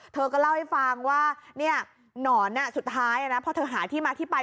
เธอก็เล่าให้ฟังว่าหนอนสุดท้ายนะพอเธอหาที่มาที่ไป